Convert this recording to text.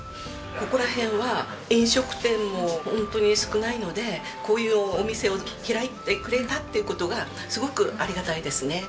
ここら辺は飲食店もホントに少ないのでこういうお店を開いてくれたっていう事がすごくありがたいですね。